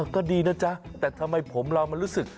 ก็ดีนะจ๊ะแต่ทำไมผมเรามันรู้สึก